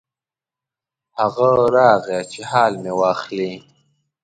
هغه راغی چې حال مې واخلي.